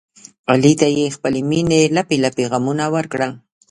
علي ته یې خپلې مینې لپې لپې غمونه ورکړل.